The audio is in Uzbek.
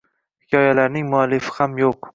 Hikoyalarning muallifi ham yoʻq